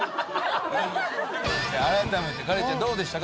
改めてカレンちゃんどうでしたか。